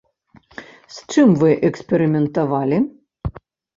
З чым вы эксперыментавалі?